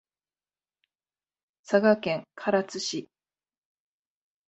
佐賀県唐津市